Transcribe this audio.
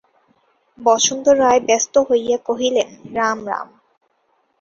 বসন্ত রায় ব্যস্ত হইয়া কহিলেন, রাম, রাম।